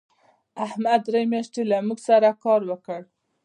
احمد درې میاشتې له موږ سره کار وکړ.